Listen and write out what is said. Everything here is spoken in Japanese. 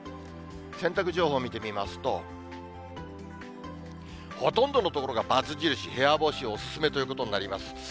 洗濯情報見てみますと、ほとんどの所が×印、部屋干しお勧めということになります。